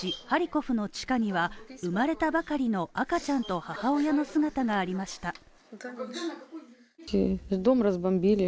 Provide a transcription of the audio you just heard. ハリコフの地下には生まれたばかりの赤ちゃんと母親の姿がありました。